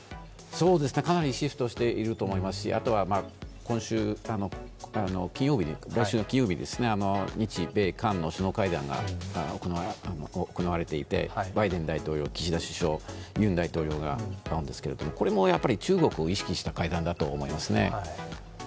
かなりシフトしていると思いますし、あとは来週金曜日に日米韓の首脳会談が行われていてバイデン大統領、岸田首相ユン大統領が会ったんですがこれも中国を意識した会談だと思いますね。